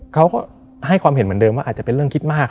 เขาก็ให้ความเห็นเหมือนเดิมว่าอาจจะเป็นเรื่องคิดมาก